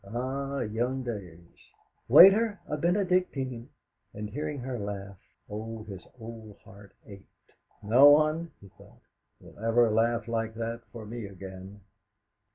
Ah, young days!'.... "Waiter, a Benedictine!" And hearing her laugh, O his old heart ached. '.o one,' he thought, 'will ever laugh like that for me again!'....